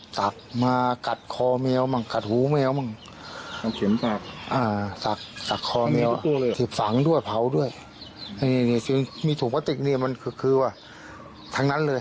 ที่ต้องส่องเวยชีวิต